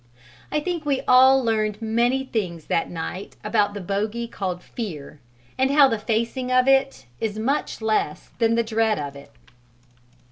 I think we all learnt many things that night about the bogey called "fear," and how the facing of it is much less than the dread of it.